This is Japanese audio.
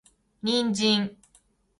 人参